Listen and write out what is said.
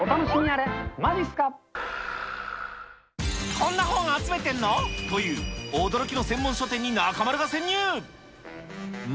こんな本集めてんの？という驚きの専門書店に中丸が潜入。